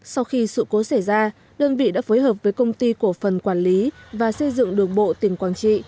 sau khi sự cố xảy ra đơn vị đã phối hợp với công ty cổ phần quản lý và xây dựng đường bộ tỉnh quảng trị